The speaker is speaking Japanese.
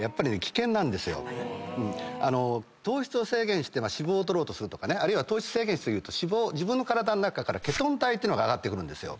糖質を制限して脂肪を取ろうとするとか糖質制限し過ぎると自分の体の中からケトン体ってのが上がってくるんですよ。